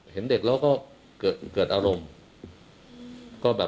เห็นเด็กแล้วก็เกิดอารมณ์